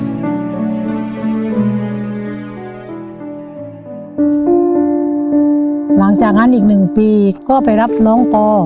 หลังจากงั้นอีกหนึ่งปีก็ไปรับล้องป